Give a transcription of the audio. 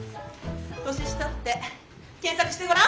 「年下」って検索してごらん！